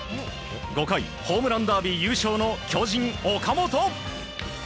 ５回、ホームランダービー優勝の巨人、岡本。